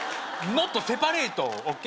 ノットセパレートＯＫ？